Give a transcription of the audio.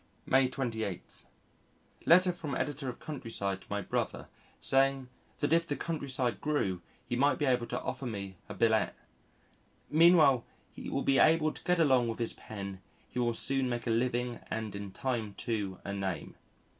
May 28. [Letter from Editor of Countryside to my brother saying that if the Countryside grew he might be able to offer me a billet. "Meanwhile he will be able to get along with his pen ... he will soon make a living and in time too a name."